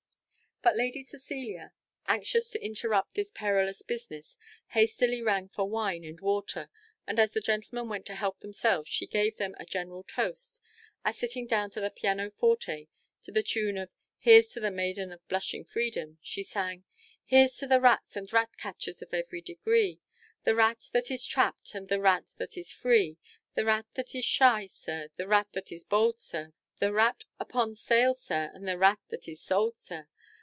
But Lady Cecilia, anxious to interrupt this perilous business, hastily rang for wine and water; and as the gentlemen went to help themselves she gave them a general toast, as sitting down to the piano forte, to the tune of "Here's to the maiden of blushing fifteen" She sang "Here's to rats and ratcatchers of every degree, The rat that is trapped, and the rat that is free, The rat that is shy, sir, the rat that is bold, sir, The rat upon sale, sir, the rat that is sold, sir.